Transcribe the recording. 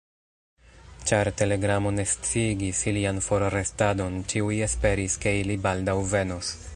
Ĉar telegramo ne sciigis ilian forrestadon, ĉiuj esperis, ke ili baldaŭ venos.